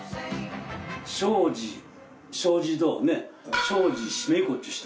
障子障子ドアね。